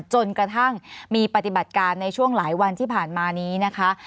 จนกระทั่งมีปฏิบัติการในช่วงหลายวันที่ผ่านมานี้นะคะ